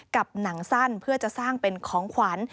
กับหนังสั้นเพื่อจะสร้างเป็นของขวัญ